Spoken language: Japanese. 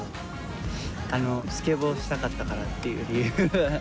スケボーしたかったからっていう理由。